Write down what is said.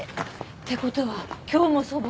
って事は今日もそば？